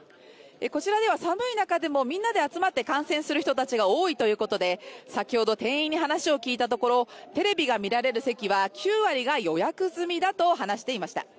こちらでは寒い中でもみんなで集まって観戦する人たちが多いということで先ほど店員に話を聞いたところテレビが見られる席は９割が予約済だと話していました。